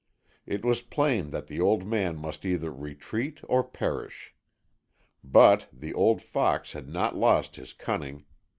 It was plain that the old man must either retreat or perish. But the old fox had not lost his cunning.